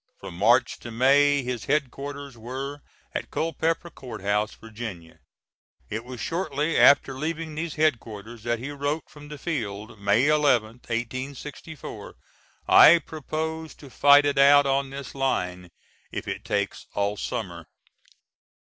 From March to May his headquarters were at Culpeper Court House, Va. It was shortly after leaving these headquarters that he wrote from the field, May 11, 1864, "I propose to fight it out on this line if it takes all summer."